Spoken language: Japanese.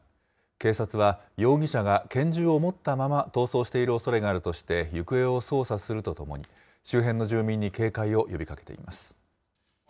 警察は、容疑者が拳銃を持ったまま逃走しているおそれがあるとして、行方を捜査するとともに、周辺の住民に警戒を呼びかけています。